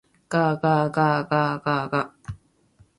がががががが